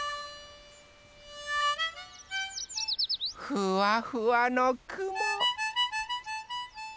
ふわふわのくも。